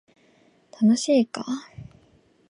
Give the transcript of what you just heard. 楽しいか